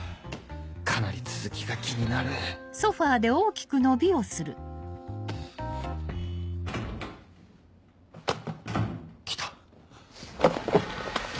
かなり続きが気になる来た。